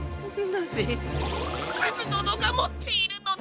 なぜすずどのがもっているのだ！？